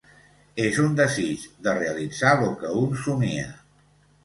És un desig, de realitzar lo que un somia.